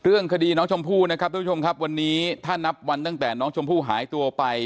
เรื่องคดีน้องชมพู่นะครับทุกผู้ชมครับวันนี้ถ้านับวันตั้งแต่น้องชมพู่หายตัวไป